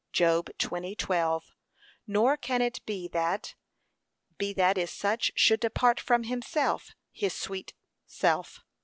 (Job 20:12) Nor can it be that be that is such should depart from himself, his sweet self.